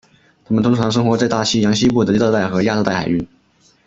它们通常生活在大西洋西部的热带和亚热带海域。